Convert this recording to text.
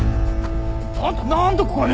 あんたなんでここに！？